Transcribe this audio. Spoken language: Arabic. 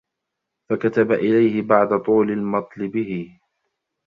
فَكَتَبَ إلَيْهِ بَعْدَ طُولِ الْمَطْلِ بِهِ